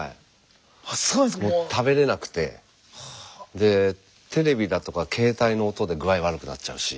でテレビだとか携帯の音で具合悪くなっちゃうし。